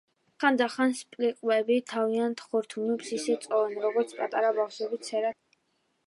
ხანდახან სპლიყვები თავიანთ ხორთუმებს ისე წოვენ, როგორც პატარა ბავშვები ცერა თითებს.